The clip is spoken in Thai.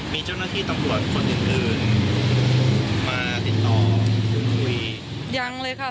มีเจ้าหน้าที่ตำรวจคนอื่นอื่นมาติดต่อพูดคุยยังเลยค่ะ